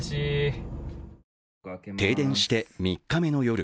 停電して３日目の夜。